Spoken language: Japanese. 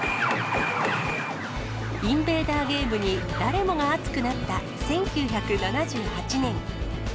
インベーダーゲームに誰もが熱くなった１９７８年。